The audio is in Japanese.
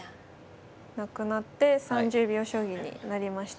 なくなって３０秒将棋になりました。